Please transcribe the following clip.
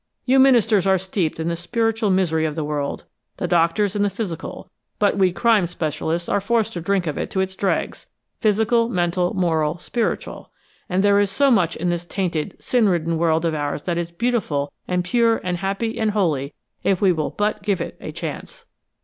You ministers are steeped in the spiritual misery of the world, the doctors in the physical; but we crime specialists are forced to drink of it to its dregs, physical, mental, moral, spiritual! And there is so much in this tainted, sin ridden world of ours that is beautiful and pure and happy and holy, if we will but give it a chance!"